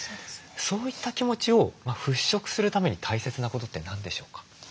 そういった気持ちを払拭するために大切なことって何でしょうか？